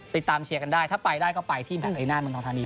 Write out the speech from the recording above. ไปตามเชียร์กันได้ถ้าไปได้ก็ไปที่แผ่นอีกหน้าทางทางนี้